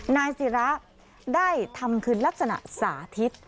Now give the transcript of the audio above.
นายศิระได้ทำคือลักษณะสาธิต